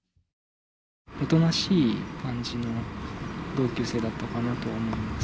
おとなしい感じの同級生だったかなとは思います。